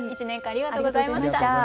１年間ありがとうございました。